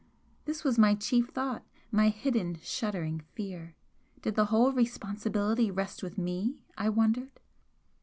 This was my chief thought, my hidden shuddering fear. Did the whole responsibility rest with me, I wondered?